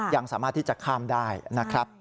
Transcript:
ยังสามารถที่จะข้ามได้นะครับ